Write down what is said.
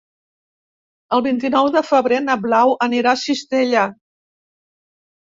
El vint-i-nou de febrer na Blau anirà a Cistella.